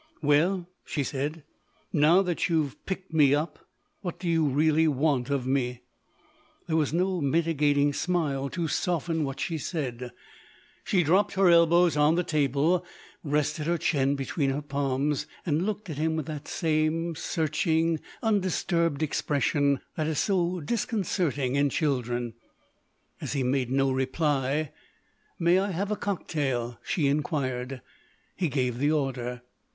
"Well," she said, "now that you've picked me up, what do you really want of me?" There was no mitigating smile to soften what she said. She dropped her elbows on the table, rested her chin between her palms and looked at him with the same searching, undisturbed expression that is so disconcerting in children. As he made no reply: "May I have a cocktail?" she inquired. He gave the order.